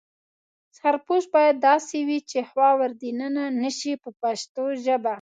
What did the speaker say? سرپوښ باید داسې وي چې هوا ور دننه نشي په پښتو ژبه.